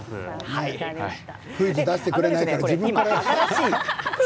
クイズ出してくれないから自分から。